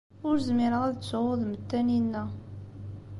Ur zmireɣ ad ttuɣ udem n Taninna.